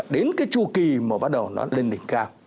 đến cái chu kỳ mà bắt đầu nó lên đỉnh cao